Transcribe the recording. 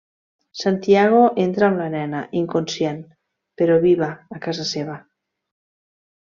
Santiago entra amb la nena, inconscient, però viva, a casa seva.